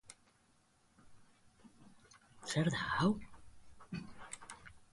Esnifatu eta burua atzerantz botatzen zuela sudurreratu dut nik ere.